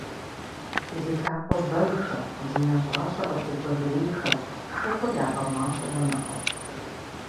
Зи лъакъуэ бэгхэм, зи нэщӀащэ къытебэгэрейхэм шыгъур ягъэмащӀэмэ нэхъыфӀщ.